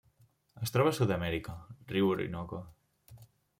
Es troba a Sud-amèrica: riu Orinoco.